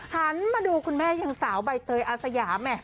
หันมาดูคุณแม่รึยังสาวใบเตยอาซยามเนี่ย